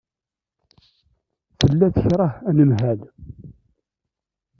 Tella tekṛeh anemhal.